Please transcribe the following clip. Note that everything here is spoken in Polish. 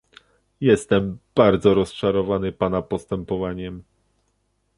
Jestem bardzo rozczarowany pana postępowaniem